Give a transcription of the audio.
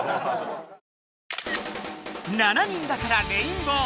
「七人だからレインボー」。